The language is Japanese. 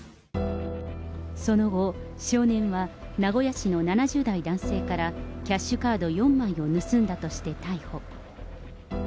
その後、少年は名古屋市の７０代男性から、キャッシュカード４枚を盗んだとして逮捕。